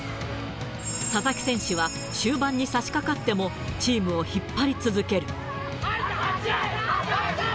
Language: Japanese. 佐々木選手は、終盤にさしかかっても、チームを引っ張り続ける。